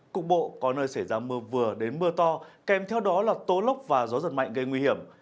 cục bộ có nơi xảy ra mưa vừa đến mưa to kèm theo đó là tố lốc và gió giật mạnh gây nguy hiểm